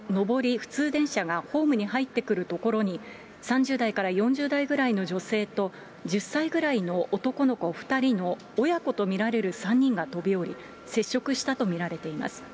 普通電車がホームに入ってくるところに、３０代から４０代ぐらいの女性と、１０歳ぐらいの男の子２人の親子と見られる３人が飛び降り、接触したと見られています。